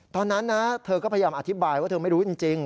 ตอนนั้นนะเธอก็พยายามอธิบายว่าเธอไม่รู้จริง